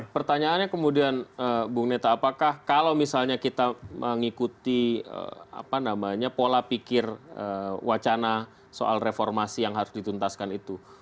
pertanyaannya kemudian bung neta apakah kalau misalnya kita mengikuti pola pikir wacana soal reformasi yang harus dituntaskan itu